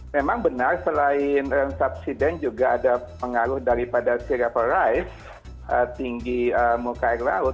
memang benar selain lensa obsiden juga ada pengaruh daripada serapa rise tinggi muka air laut